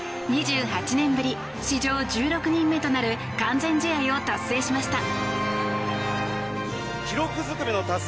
２８年ぶり史上１６人目となる完全試合を達成しました。